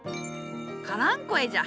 カランコエじゃ。